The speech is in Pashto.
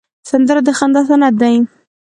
سندره د خندا سند دی